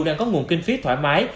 đang có nguồn kinh phí thoải mái